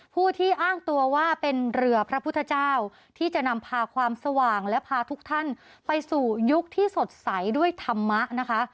ผู้ที่อ้างตัวว่าเป็นเรือพระพุทธเจ้าที่จะนำพาความสว่างและพาทุกท่านไปสู่ยุคที่สดใสด้วยธรรมะนะคะ